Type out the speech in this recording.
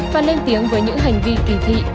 và lên tiếng với những hành vi kỳ thị